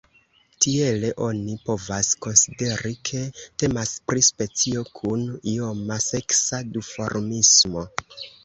Tiele oni povas konsideri, ke temas pri specio kun ioma seksa duformismo.